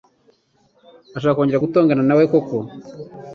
Urashaka kongera gutongana nawe koko?